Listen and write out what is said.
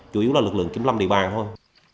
chủ yếu là lực lượng kiểm lâm địa bàn thôi